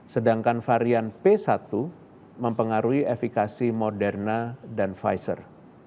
sedangkan varian b satu satu mempengaruhi efikasi moderna dan pfizer